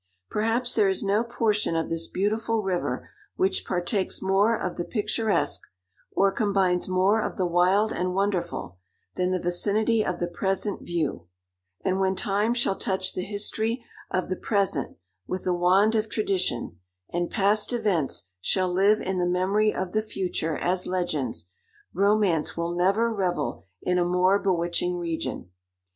Perhaps there is no portion of this beautiful river which partakes more of the picturesque, or combines more of the wild and wonderful, than the vicinity of the present View; and when time shall touch the history of the present with the wand of tradition, and past events shall live in the memory of the future as legends, romance will never revel in a more bewitching region.